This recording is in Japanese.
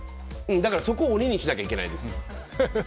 そこは鬼にしなきゃいけないです。